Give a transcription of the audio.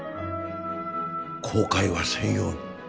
後悔はせんように。